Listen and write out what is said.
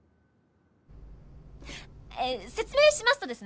えー説明しますとですね